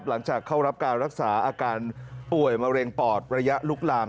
หลังจากเข้ารับการรักษาอาการป่วยมะเร็งปอดระยะลุกลาม